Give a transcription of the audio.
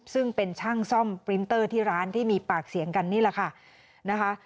ซึ่งเป็นช่างซ่อมปรินเตอร์ที่ร้านที่มีปากเสียงกันนี่แหละค่ะนะคะ